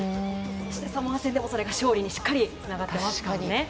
サモア戦でも、それが勝利にしっかりつながってますからね。